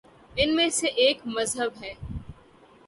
ان میں سے ایک مذہب ہے۔